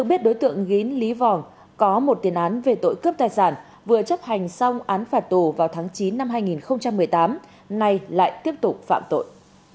biết đối tượng gín lý vòng có một tiền án về tội cướp tài sản vừa chấp hành xong án phạt tù vào tháng chín năm hai nghìn một mươi tám nay lại tiếp tục phạm tội